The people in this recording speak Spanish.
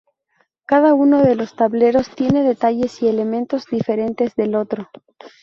Cada uno de los tableros tiene detalles y elementos diferentes del otro.